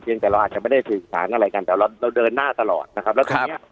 เพียงแต่เราอาจจะไม่ได้สินค้าอะไรกันแต่เราเราเดินหน้าตลอดนะครับครับ